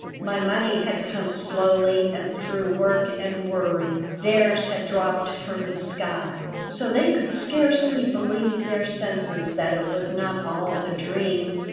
My money had come slowly and through work and worry. Theirs had dropped from the sky. So they could scarcely believe their senses that it was not all a dream.